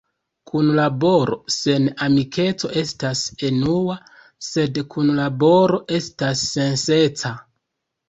Kunlaboro sen amikeco estas enua, sed kunlaboro estas sensenca.